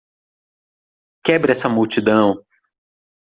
Quebre essa multidão!